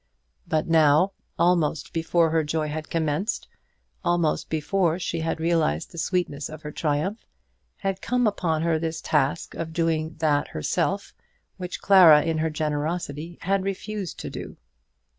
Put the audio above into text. But now, almost before her joy had commenced, almost before she had realised the sweetness of her triumph, had come upon her this task of doing that herself which Clara in her generosity had refused to do.